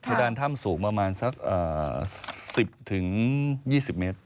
ผ้าด้านถ้ำสูงสัก๑๐ถึง๒๐เมตร